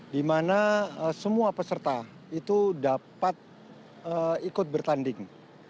di mana semua peserta itu dapat ikut bertanding